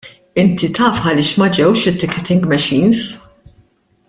Inti taf għaliex ma ġewx it-ticketing machines.